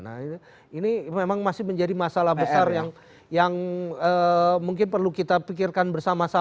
nah ini memang masih menjadi masalah besar yang mungkin perlu kita pikirkan bersama sama